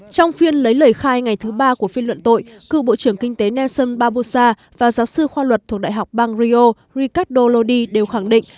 trong phiên lấy lời khai ngày thứ ba của phiên luận tội cựu bộ trưởng kinh tế nelson barbosa và giáo sư khoa luật thuộc đại học bang rio ricardo lodi đều khẳng định